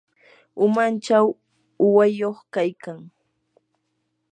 umanchaw uwayuq kaykan.